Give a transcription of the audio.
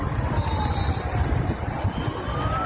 นี่คือสายเอเชียค่ะร่องเท้านี่คือสายเอเชียค่ะ